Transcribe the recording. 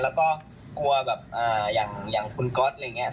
แล้วก็กลัวแบบอย่างคุณก๊อตอะไรอย่างนี้